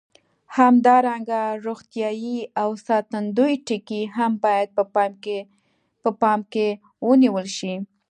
همدارنګه روغتیایي او ساتندوي ټکي هم باید په پام کې ونیول شي.